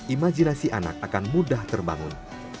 imajinasi anak akan mudah terbangun